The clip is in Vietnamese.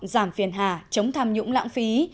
giảm phiền hà chống tham nhũng lãng phí